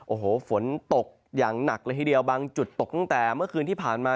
โอ้โหฝนตกอย่างหนักเลยทีเดียวบางจุดตกตั้งแต่เมื่อคืนที่ผ่านมา